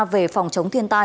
về phòng chống thiên tai